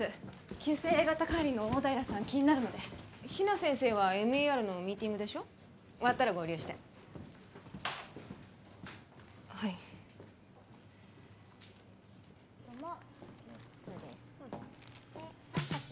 急性Ａ型解離の大平さん気になるので比奈先生はＭＥＲのミーティングでしょ終わったら合流してはいはあ